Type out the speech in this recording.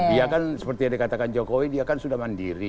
dia kan seperti yang dikatakan jokowi dia kan sudah mandiri